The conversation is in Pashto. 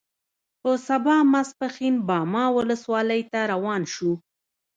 په سبا ماسپښین باما ولسوالۍ ته روان شوو.